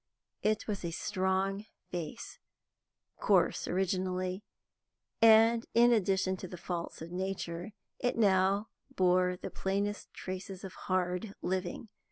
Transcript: It was a strong face; coarse originally, and, in addition to the faults of nature, it now bore the plainest traces of hard living.